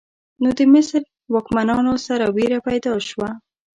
نو د مصر واکمنانو سره ویره پیدا شوه.